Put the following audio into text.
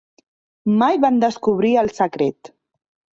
Mai van descobrir el secret.